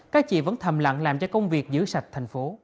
các chị vẫn thầm lặng làm cho công việc giữ sạch thành phố